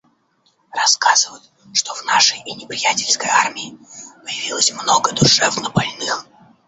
Рассказывают, что в нашей и неприятельской армии появилось много душевнобольных.